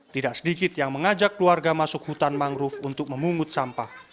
tidak sedikit yang mengajak keluarga masuk hutan mangrove untuk memungut sampah